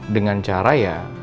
dengan cara ya